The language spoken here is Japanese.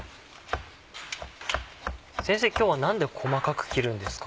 先生今日は何で細かく切るんですか？